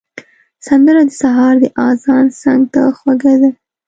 سندره د سهار د اذان څنګ ته خوږه ده